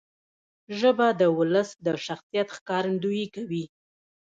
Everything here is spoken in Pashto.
ژبه د ولس د شخصیت ښکارندویي کوي.